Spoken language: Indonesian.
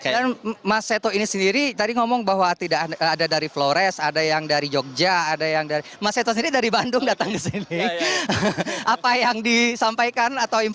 dan mas seto ini sendiri tadi ngomong bahwa ada dari flores ada yang dari yogyakarta ada yang dari